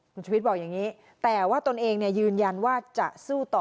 คุณชุวิตบอกอย่างนี้แต่ว่าตนเองยืนยันว่าจะสู้ต่อ